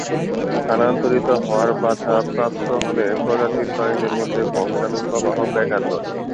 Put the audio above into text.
স্থানান্তরিত হওয়ার বাধা প্রাপ্ত হলে প্রজাতির প্রাণীদের মধ্যে বংশাণুর প্রবাহে ব্যাঘাত ঘটে।